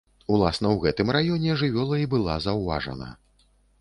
Уласна ў гэтым раёне жывёла і была заўважана.